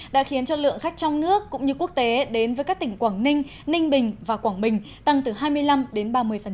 đã khiến cho lượng khách trong nước cũng như quốc tế đến với các tỉnh quảng ninh ninh bình và quảng bình tăng từ hai mươi năm đến ba mươi